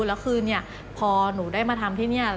แล้วคือเนี่ยพอหนูได้มาทำที่นี่